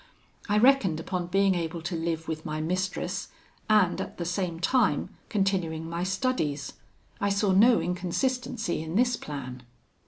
I reckoned upon being able to live with my mistress, and at the same time continuing my studies. I saw no inconsistency in this plan.